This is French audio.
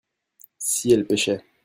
si elle pêchait.